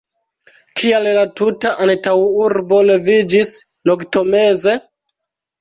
Kial la tuta antaŭurbo leviĝis noktomeze?